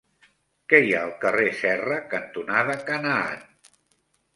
Què hi ha al carrer Serra cantonada Canaan?